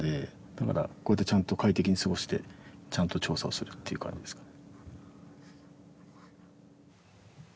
だからこうやってちゃんと快適に過ごしてちゃんと調査をするっていう感じですかね。